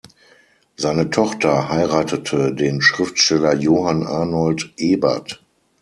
Seine Tochter heiratete den Schriftsteller Johann Arnold Ebert.